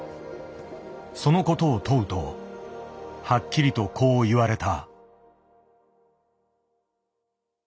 そのことを問うとはっきりとこう言われた。